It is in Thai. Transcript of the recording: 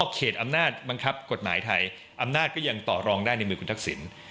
เขตอำนาจบังคับกฎหมายไทยอำนาจก็ยังต่อรองได้ในมือคุณทักษิณ